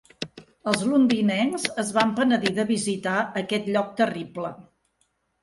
Els londinencs es van penedir de visitar aquest lloc terrible.